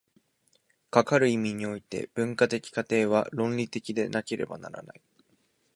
かかる意味において、文化的過程は倫理的でなければならない。